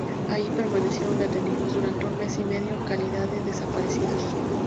Allí permanecieron detenidos durante un mes y medio en calidad de desaparecidos.